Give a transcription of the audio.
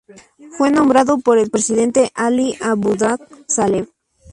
Fue nombrado por el presidente Ali Abdullah Saleh.